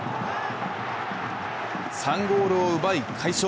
３ゴールを奪い快勝。